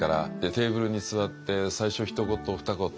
テーブルに座って最初ひと言ふた言